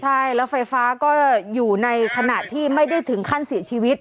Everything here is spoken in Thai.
ใช่แล้วไฟฟ้าก็อยู่ในขณะที่ไม่ได้ถึงขั้นเสียชีวิต